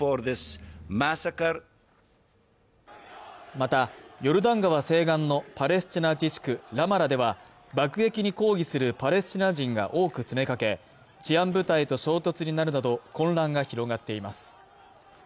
またヨルダン川西岸のパレスチナ自治区ラマラでは爆撃に抗議するパレスチナ人が多く詰めかけ治安部隊と衝突になるなど混乱が広がっています